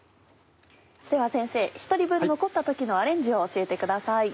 では先生１人分残った時のアレンジを教えてください。